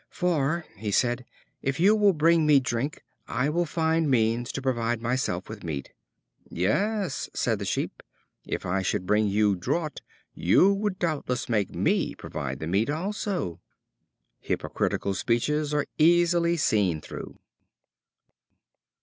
"For," he said, "if you will bring me drink, I will find means to provide myself with meat." "Yes," said the Sheep, "if I should bring you the draught, you would doubtless make me provide the meat also." Hypocritical speeches are easily seen through.